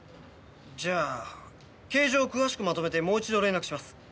じゃあ形状を詳しくまとめてもう一度連絡します。